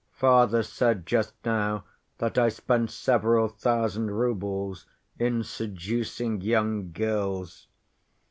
Father said just now that I spent several thousand roubles in seducing young girls.